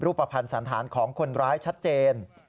ภัณฑ์สันธารของคนร้ายชัดเจน